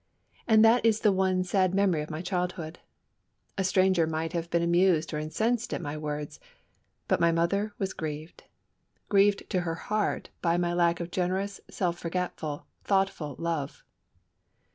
And that is the one sad memory of my childhood. A stranger might have been amused or incensed at my words, but mother was grieved grieved to her heart by my lack of generous, self forgetful, thoughtful love.